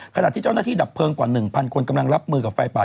ขณะที่เจ้าหน้าที่ดับเพลิงกว่า๑๐๐คนกำลังรับมือกับไฟป่า